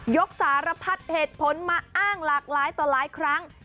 สารพัดเหตุผลมาอ้างหลากหลายต่อหลายครั้ง